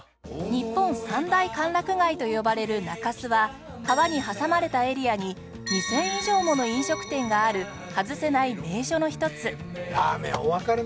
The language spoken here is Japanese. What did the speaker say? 日本三大歓楽街と呼ばれる中洲は川に挟まれたエリアに２０００以上もの飲食店がある外せない名所の一つ